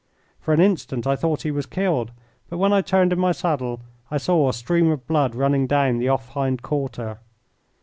For an instant I thought he was killed, but when I turned in my saddle I saw a stream of blood running down the off hind quarter.